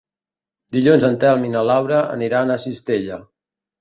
Dilluns en Telm i na Laura aniran a Cistella.